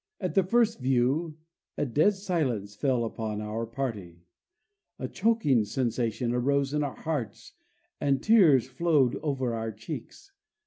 At the first view a dead silence fell upon our party. A choking sensation arose in our throats, the tears flowed over our cheeks.